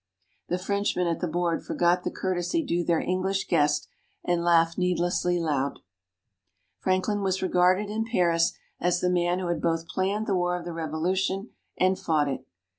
The Frenchmen at the board forgot the courtesy due their English guest, and laughed needlessly loud. Franklin was regarded in Paris as the man who had both planned the War of the Revolution, and fought it.